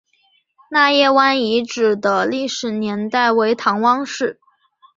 纳业湾遗址的历史年代为唐汪式。